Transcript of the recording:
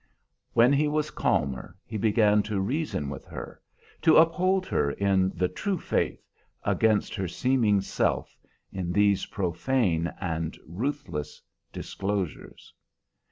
When he was calmer he began to reason with her, to uphold her in the true faith, against her seeming self, in these profane and ruthless disclosures.